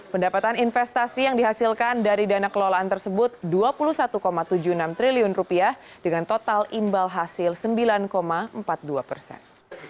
pendapatan investasi yang dihasilkan dari dana kelolaan tersebut rp dua puluh satu tujuh puluh enam triliun dengan total imbal hasil sembilan empat puluh dua persen